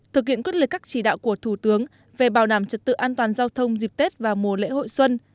thực hiện quyết liệt các chỉ đạo của thủ tướng về bảo đảm trật tự an toàn giao thông dịp tết và mùa lễ hội xuân